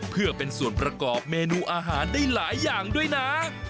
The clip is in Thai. เพื่อเป็นส่วนประกอบเมนูอาหารได้หลายอย่างด้วยนะ